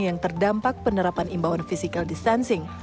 yang terdampak penerapan imbauan physical distancing